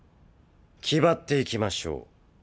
気張っていきましょう。